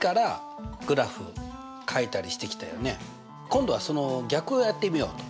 今度はその逆をやってみようと。